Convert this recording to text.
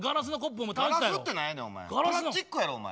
プラスチックやろお前。